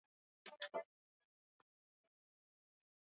Wakati anazunguka upande wa nyuma kidogo agongane na mbwa mkubwa